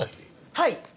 はい。